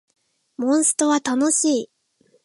モンストは楽しい